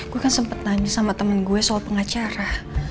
gue kan sempat nanya sama temen gue soal pengacara